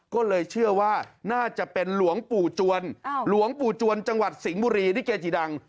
ก็เลยเชื่อว่าน่าจะเป็นหลวงปู่จวนหลวงปู่จวนจังหวัดสิงห์บุรีลิเกจิดัง